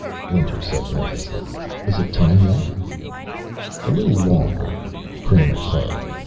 Winter said nervously. "Is it time yet?" "A little longer," Kramer said.